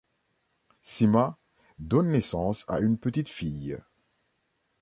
Sima donne naissance à une petite fille.